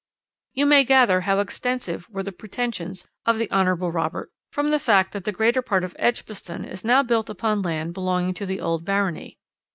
"You may gather how extensive were the pretensions of the Hon. Robert from the fact that the greater part of Edgbaston is now built upon land belonging to the old barony.